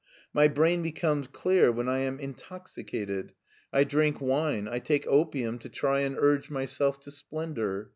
My brain becomes clear when I am intoxi cated. I drink wine, I take opium to try and urge LEIPSIC IIS mysdf to splendor.